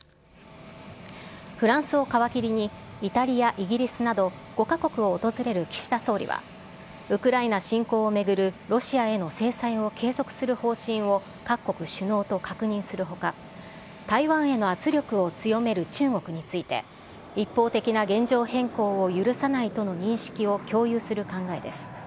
フランスを皮切りに、イタリア、イギリスなど５か国を訪れる岸田総理は、ウクライナ侵攻を巡るロシアへの制裁を継続する方針を各国首脳と確認するほか、台湾への圧力を強める中国について、一方的な現状変更を許さないとの認識を共有する考えです。